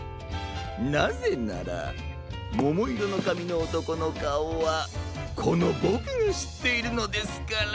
なぜならももいろのかみのおとこのかおはこのボクがしっているのですから。